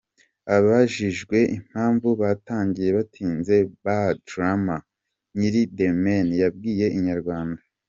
Abajijwe impamvu batangiye batinze Bad Rama nyiri The Mane yabwiye Inyarwanda.